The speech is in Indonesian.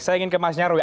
saya ingin ke mas nyarwi